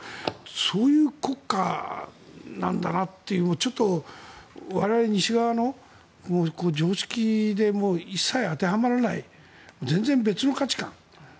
そういう国家なんだなというのをちょっと我々西側の常識で一切当てはまらない全然別の価値観。